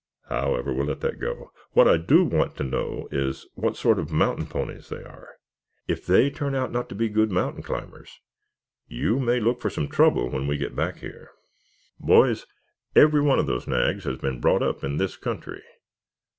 However, we'll let that go. What I do want to know is what sort of mountain ponies they are. If they turn out not to be good mountain climbers you may look for some trouble when we get back here." "Boys, every one of those nags has been brought up in this country.